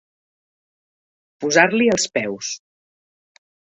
Posar-li als peus.